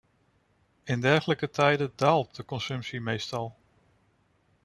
In dergelijke tijden daalt de consumptie meestal.